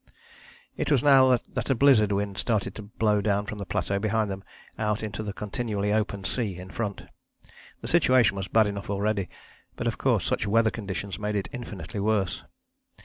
It was now that a blizzard wind started to blow down from the plateau behind them out into the continually open sea in front. The situation was bad enough already, but of course such weather conditions made it infinitely worse.